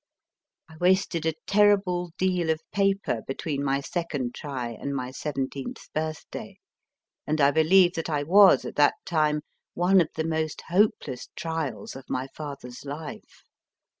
I wasted a terrible deal of paper between my second try and my seventeenth birthday, and I believe that I was, at that time, one of the most hopeless trials of my father s life.